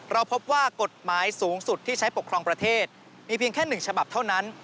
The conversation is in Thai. เราพบว่ากฎหมายสูงสุดที่ใช้ปกครองประเทศมีเพียงแค่๑ฉบับเท่านั้น